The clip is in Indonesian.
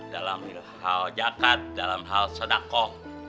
dalam hal jakat dalam hal sodakoh